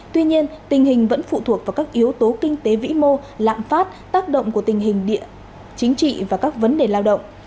tuy nhiên tình hình vẫn phụ thuộc vào các yếu tố kinh tế vĩ mô lạm phát tác động của tình hình địa chính trị và các vấn đề lao động